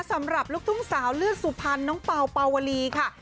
สำหรับลูกทุ่งสาวเลือดสุพรรณน้องเป่าเป่าวลีค่ะ